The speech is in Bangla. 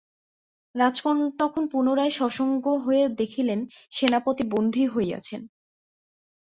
রাজকন্যা তখন পুনরায় সসংজ্ঞ হইয়া দেখিলেন, সেনাপতি বন্দী হইয়াছেন।